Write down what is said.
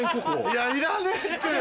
いやいらねえって。